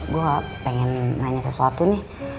gue pengen nanya sesuatu nih